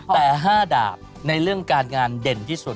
แต่๕ดาบในเรื่องการงานเด่นที่สุด